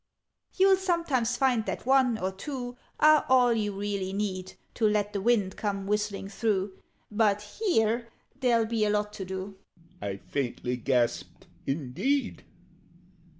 "You'll sometimes find that one or two Are all you really need To let the wind come whistling through But here there'll be a lot to do!" I faintly gasped "Indeed!